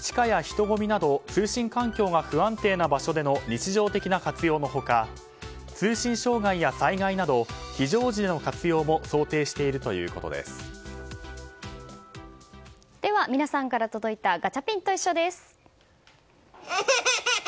地下や人混みなど通信環境が不安定な場所での日常的な活用の他通信障害や、災害など非常時での活用もでは、皆さんから届いたガチャピンといっしょ！です。